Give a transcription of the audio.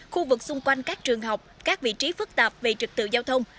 khu vực xung quanh các trường học các vị trí phức tạp về trực tự giao thông